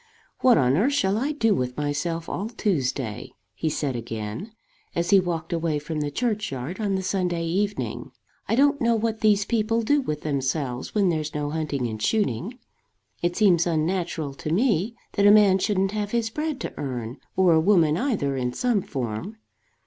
"What on earth shall I do with myself all Tuesday?" he said again as he walked away from the churchyard on the Sunday evening. "I don't know what these people do with themselves when there's no hunting and shooting. It seems unnatural to me that a man shouldn't have his bread to earn, or a woman either in some form."